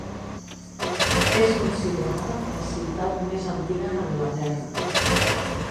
És considerada la ciutat més antiga d'Anglaterra.